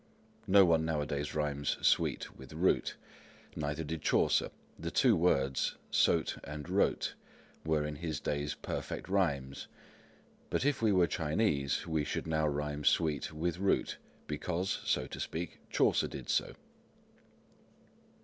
No one nowadays rhymes sweet with root. Neither did Chaucer; the two words, sote and rote, were in his days perfect rhymes. But if we were Chinese, we should now rhyme sweet with root, because, so to speak, Chaucer did so.